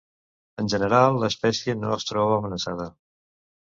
En general, l'espècie no es troba amenaçada.